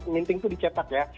minting itu dicetak ya